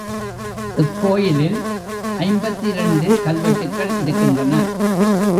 இக்கோயிலில் ஐம்பத்திரண்டு கல்வெட்டுக்கள் இருக்கின்றன.